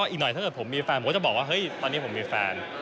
อีกหน่อยถ้าเกิดผมมีแฟนผมก็จะบอกว่าเฮ้ยตอนนี้ผมมีแฟน